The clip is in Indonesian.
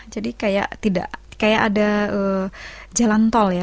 jadi kayak ada jalan tol ya